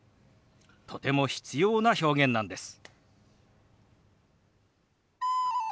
とても必要な表現なんです。